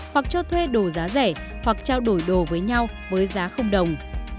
hoặc cho thuê đồ giá rẻ hoặc trao đổi đồ với nhau với giá không đồng